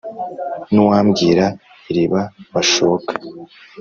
N' uwambwira iriba bashoka